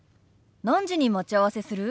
何時に待ち合わせする？